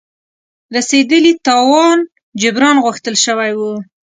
رسېدلي تاوان جبران غوښتل شوی وو.